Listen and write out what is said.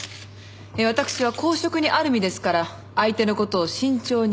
わたくしは公職にある身ですから相手の事を慎重に調べました。